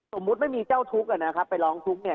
สมมุติไม่มีเจ้าทุกข์ไปร้องทุกข์เนี่ย